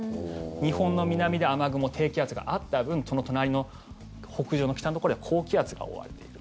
日本の南で雨雲低気圧があった分その隣の北上の、北のところでは高気圧に覆われている。